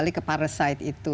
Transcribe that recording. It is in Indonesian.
di setiap side itu